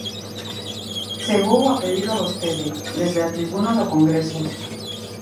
Chegou a pedilo vostede desde a tribuna do Congreso.